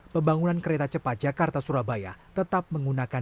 pembangunan kereta cepat jakarta surabaya tetap menggunakan